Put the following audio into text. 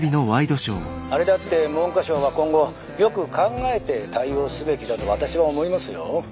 あれだって文科省は今後よく考えて対応すべきだと私は思いますよ。